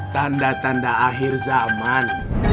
tanda tanda akhir zaman